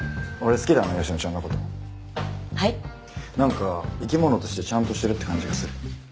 なんか生き物としてちゃんとしてるって感じがする。